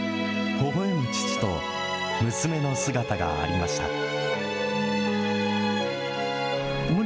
ほほえむ父と娘の姿がありました。